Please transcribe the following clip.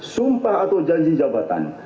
sumpah atau janji jabatan